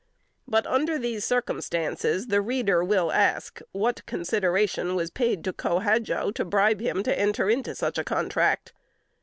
But under these circumstances, the reader will ask what consideration was paid Co Hadjo to bribe him to enter into such a contract?